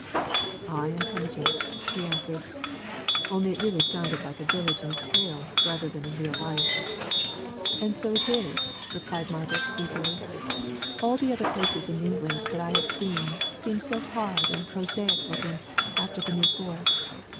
"I am penitent," he answered. "Only it really sounded like a village in a tale rather than in real life." "And so it is," replied Margaret, eagerly. "All the other places in England that I have seen seem so hard and prosaic looking, after the New Forest.